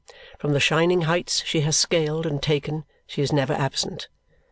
From the shining heights she has scaled and taken, she is never absent.